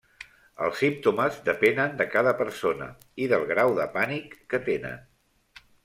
Els símptomes depenen de cada persona i del grau de pànic que tenen.